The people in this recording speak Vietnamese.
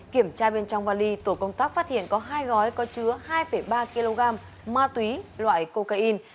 kiểm tra bên trong vali tổ công tác phát hiện có hai gói có chứa hai ba kg ma túy loại cocaine